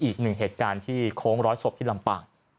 อีกหนึ่งเหตุการณ์ที่โค้งร้อยศพที่ลำปาง